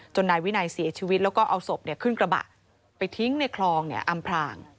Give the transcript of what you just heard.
นายวินัยเสียชีวิตแล้วก็เอาศพขึ้นกระบะไปทิ้งในคลองอำพลาง